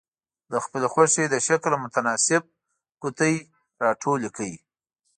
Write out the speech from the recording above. د خپلې خوښې د شکل متناسب قطي را ټولې کړئ.